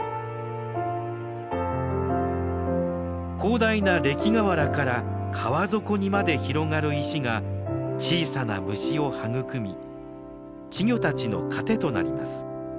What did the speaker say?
広大な礫河原から川底にまで広がる石が小さな虫を育み稚魚たちの糧となります。